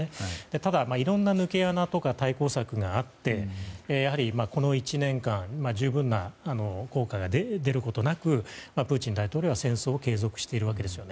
ただ、いろんな抜け穴とか対抗策があってやはり、この１年間十分な効果が出ることなくプーチン大統領は戦争を継続しているわけですね。